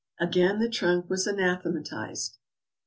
Again the trunk was anathematized.